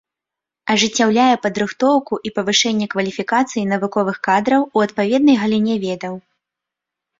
Ажыццяўляе падрыхтоўку і павышэнне кваліфікацыі навуковых кадраў у адпаведнай галіне ведаў.